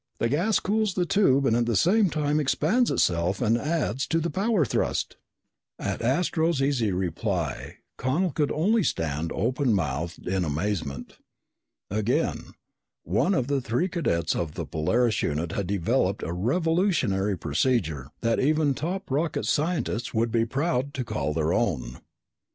The gas cools the tube and at the same time expands itself and adds to the power thrust." At Astro's easy reply Connel could only stand openmouthed in amazement. Again, one of the three cadets of the Polaris unit had developed a revolutionary procedure that even top rocket scientists would be proud to call their own.